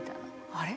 あれ？